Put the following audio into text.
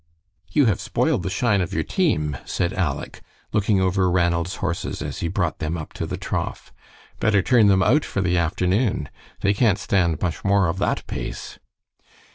"You have spoiled the shine of your team," said Aleck, looking over Ranald's horses as he brought them up to the trough. "Better turn them out for the afternoon. They can't stand much more of that pace."